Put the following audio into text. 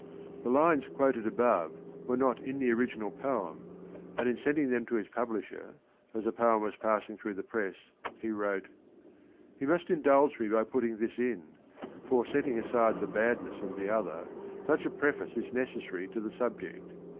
The lines quoted above were not in the original poem,^ and in sending them to his publisher, as the poem was passing through the press, he wrote :" You must indulge me by putting this in, for setting aside the badness of the other, such a preface is necessary to the subject.